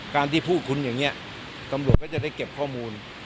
การที่พูดคุณอย่างนี้ตำรวจก็จะได้เก็บข้อมูล